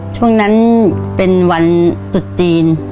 ช่วงนั้นเป็นวันตุดจีน